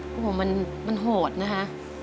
โอ้โหมันโหดนะคะ